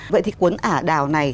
vậy thì cuốn ả đào này